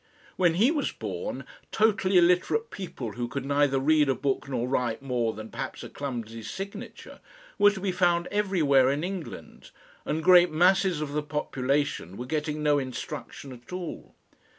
When he was born, totally illiterate people who could neither read a book nor write more than perhaps a clumsy signature, were to be found everywhere in England; and great masses of the population were getting no instruction at all.